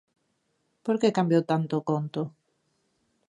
¿Por que cambiou tanto o conto?